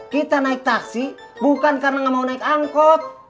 kita naik taksi bukan karena nggak mau naik angkot